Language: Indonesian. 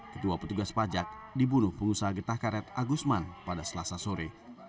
kedua petugas pajak dibunuh pengusaha getah karet agusman pada selasa sore